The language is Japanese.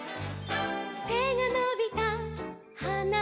「せがのびたはなたち」